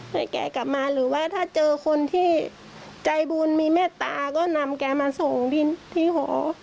ให้แกกลับมาหรือว่าถ้าเจอคนที่ใจบุญมีเมตตาก็นำแกมาส่งที่หอ